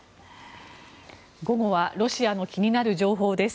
午後はロシアの気になる情報です。